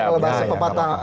kalau bahasa pepatah